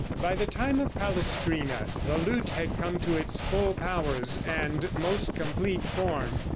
By the time of Palestrina the lute had come to its full powers and most complete form.